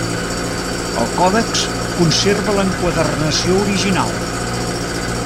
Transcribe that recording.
El còdex conserva l'enquadernació original.